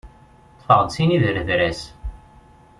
Ṭṭfeɣ-d sin idredras.